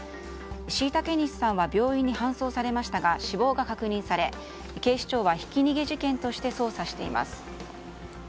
後嵩西さんは病院に搬送されましたが死亡が確認され警視庁はひき逃げ事件として捜査しています。